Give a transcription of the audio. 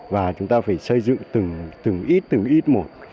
và chúng ta phải xây dựng từng ít